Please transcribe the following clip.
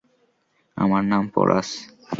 আমার নাম পোরাস।